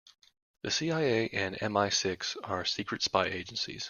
The CIA and MI-Six are secret spy agencies.